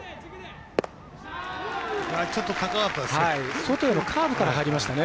ちょっと高かったですね。